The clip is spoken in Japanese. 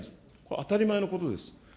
当たり前のことです。